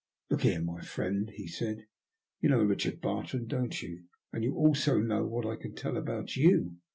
''Look here, my friend," he said, ''Tou know Bichard Bartrand, don't you? And you also know what I can tell about you.